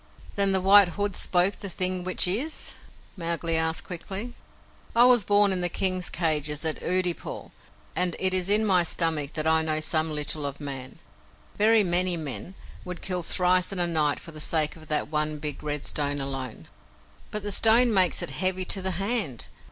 "Then the White Hood spoke the thing which is?" Mowgli asked quickly. "I was born in the King's cages at Oodeypore, and it is in my stomach that I know some little of Man. Very many men would kill thrice in a night for the sake of that one big red stone alone." "But the stone makes it heavy to the hand.